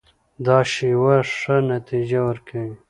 دا شیوه ښه نتیجه ورکوي.